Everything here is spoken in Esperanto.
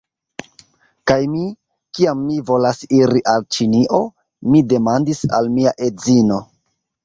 Kaj mi, kiam mi volas iri al Ĉinio, mi demandis al mia edzino: